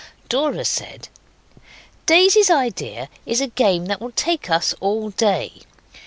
Dora said 'Daisy's idea is a game that'll take us all day.